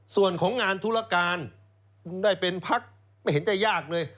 ส่วนของงานธุรการได้เป็นพักไม่เห็นจะยากเลย